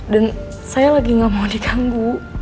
dan saya lagi nggak mau dikanggu